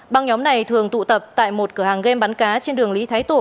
băng nhóm này thường tụ tập tại một cửa hàng game bắn cá trên đường lý thái tổ